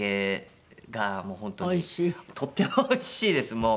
とてもおいしいですもう。